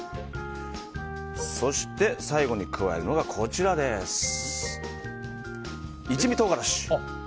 そして、最後に加えるのが一味唐辛子。